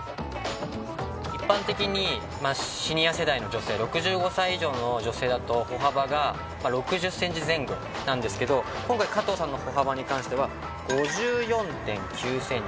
一般的にシニア世代の女性６５歳以上の女性だと歩幅が６０センチ前後なんですけど今回加藤さんの歩幅に関しては５４．９センチ。